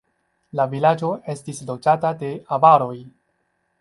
La vilaĝo estis loĝata de avaroj.